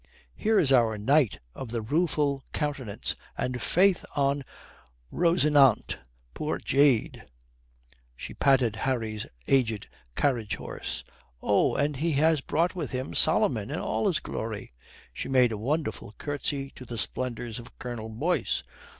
"Here's our knight of the rueful countenance, and faith, on Rosinante, poor jade," she patted Harry's aged carriage horse. "Oh, and he has brought with him Solomon in all his glory," she made a wonderful curtsy to the splendours of Colonel Boyce.